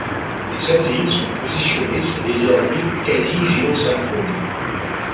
Les satellites sont positionnés sur des orbites quasi géosynchrones.